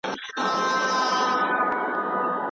پالنه يې زموږ پور دی.